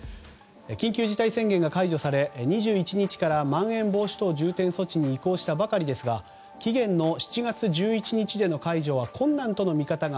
緊急事態宣言が解除され２１日からまん延防止等重点措置に移行したばかりですが期限の７月１１日での解除は困難との見方が